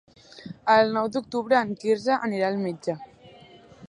El nou d'octubre en Quirze anirà al metge.